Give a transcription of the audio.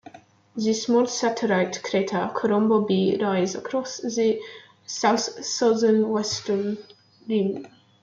The small satellite crater Colombo B lies across the south-southwestern rim.